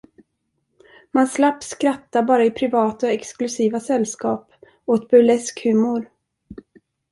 Man slapp skratta bara i privata och exklusiva sällskap åt burlesk humor.